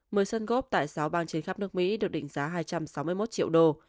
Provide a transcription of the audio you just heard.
mười sân gốc tại sáu bang trên khắp nước mỹ được định giá hai trăm sáu mươi một triệu đô